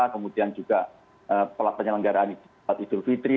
kemudian juga penyelenggaraan idul fitri